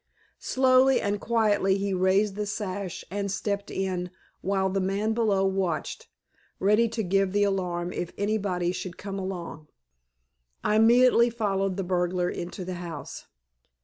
Slowly and quietly he raised the sash and stepped in while the man below watched, ready to give the alarm if anybody should come along. I immediately followed the burglar into the house.